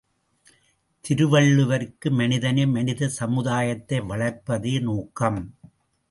திருவள்ளுவருக்கு மனிதனை மனித சமுதாயத்தை வளர்ப்பதே நோக்கம்.